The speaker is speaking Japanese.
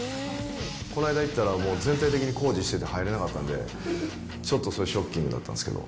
この間行ったらもう、全体的に工事してて入れなかったんで、ちょっとそれ、ショッキングだったんですけど。